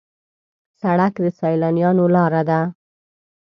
سړک د سیلانیانو لاره ده.